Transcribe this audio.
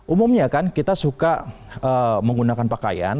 umumnya kan kita suka menggunakan pakaian